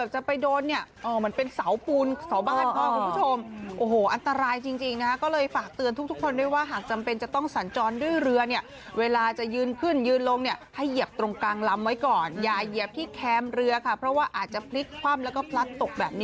โอ้โฮทีมงานใจหายวาบกันเลยทีเดียวค่ะคุณผู้ชมค่ะ